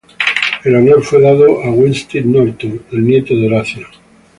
El honor fue dado a Winstead Norton, el nieto de Horacio.